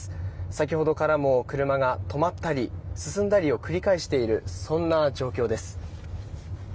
先ほどからも車が止まったり進んだりを繰り返しているそんな状況です。